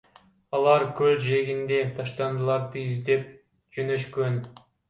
Алар көл жээгиндеги таштандыларды издеп жөнөшкөн.